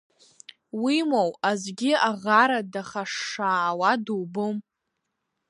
Уимоу, аӡәгьы аӷара дахашшаауа дубом.